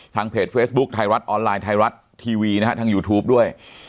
เพจเฟซบุ๊คไทยรัฐออนไลน์ไทยรัฐทีวีนะฮะทางยูทูปด้วย